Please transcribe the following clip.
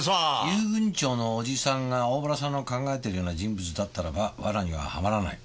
遊軍長の叔父さんが大洞さんの考えてるような人物だったらば罠にははまらない。